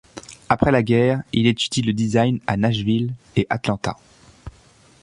Après la guerre, il étudie le design à Nashville et Atlanta.